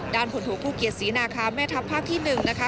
ด้านผลโถคู่เกียรติศีนาคาแม่ทัพภาคที่๑นะคะ